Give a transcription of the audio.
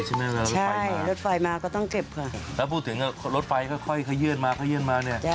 คี่ฮียันมาค่ะฮียันมาเนี่ย